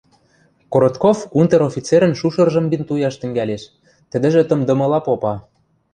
Коротков унтер-офицерӹн шушыржым бинтуяш тӹнгӓлеш, тӹдӹжӹ тымдымыла попа: